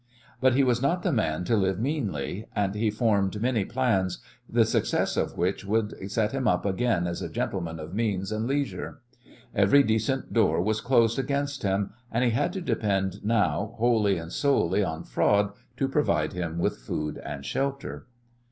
But he was not the man to live meanly, and he formed many plans, the success of which would set him up again as a gentleman of means and leisure. Every decent door was closed against him, and he had to depend now wholly and solely on fraud to provide him with food and shelter.